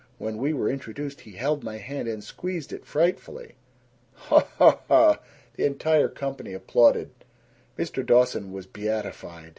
When we were introduced he held my hand and squeezed it frightfully." "Haw! Haw! Haw!" The entire company applauded. Mr. Dawson was beatified.